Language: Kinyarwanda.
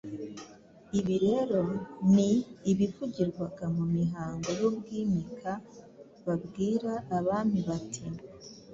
Ibi rero ni ibivugirwaga mu mihango y'Ubwimika, babwira Abami bati "